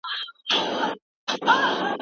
موږ به د پوهنتون اصول په پام کي ونیسو.